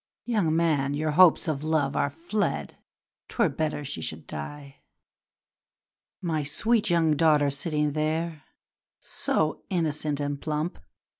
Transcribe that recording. Young man! your hopes of love are fled, 'Twere better she should die! 'My sweet young daughter sitting there, So innocent and plump!